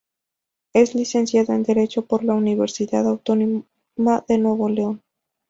Es licenciado en derecho por la Universidad Autónoma de Nuevo León.